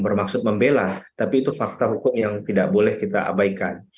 bermaksud membela tapi itu fakta hukum yang tidak boleh kita abaikan